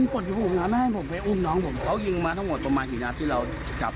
ปีนงานเจ้าใจเรา